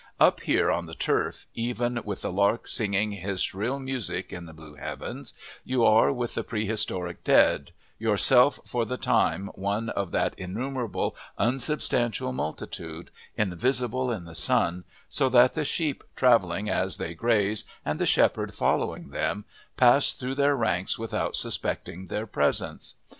Up here on the turf, even with the lark singing his shrill music in the blue heavens, you are with the prehistoric dead, yourself for the time one of that innumerable, unsubstantial multitude, invisible in the sun, so that the sheep travelling as they graze, and the shepherd following them, pass through their ranks without suspecting their presence.